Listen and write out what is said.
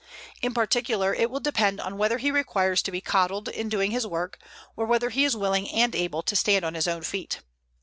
In particular, it will depend on whether he requires to be coddled in doing his work, or whether he is willing and able to stand on his own feet.